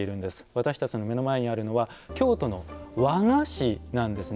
私たちの目の前にあるのは京都の和菓子なんですね。